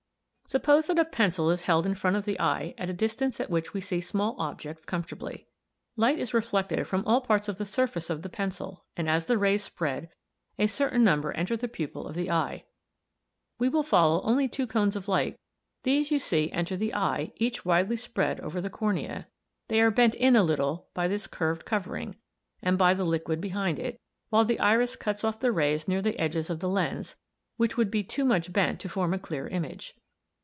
"Suppose that a pencil is held in front of the eye at the distance at which we see small objects comfortably. Light is reflected from all parts of the surface of the pencil, and as the rays spread, a certain number enter the pupil of the eye. We will follow only two cones of light coming from the points 1 and 2 on the diagram Fig. 11. These you see enter the eye, each widely spread over the cornea c. They are bent in a little by this curved covering, and by the liquid behind it, while the iris cuts off the rays near the edges of the lens, which would be too much bent to form a clear image.